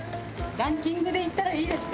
ランキングでいったらいいですか？